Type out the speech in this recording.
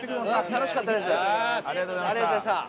楽しかったです。